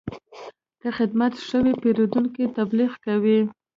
که خدمت ښه وي، پیرودونکی تبلیغ کوي.